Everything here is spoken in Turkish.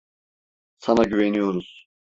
Sana güveniyoruz.